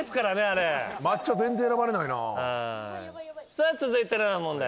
さあ続いての問題